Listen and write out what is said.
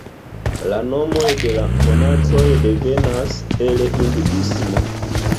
La nomoj de la monatoj devenas el Hinduismo.